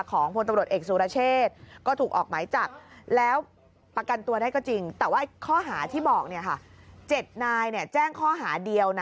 ข้อหาที่บอก๗นายแจ้งข้อหาเดียว